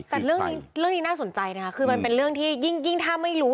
แต่เรื่องนี้เรื่องนี้น่าสนใจนะคะคือมันเป็นเรื่องที่ยิ่งถ้าไม่รู้